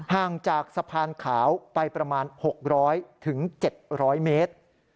ห่างจากสะพานขาวไปประมาณ๖๐๐๗๐๐เมตร